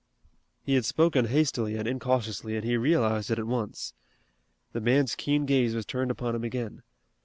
He had spoken hastily and incautiously and he realized it at once. The man's keen gaze was turned upon him again.